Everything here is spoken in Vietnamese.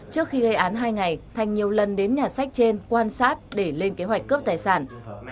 trước khi gây án hai ngày thành nhiều lần đến nhà sách trên quan sát để lên kế hoạch cướp tài sản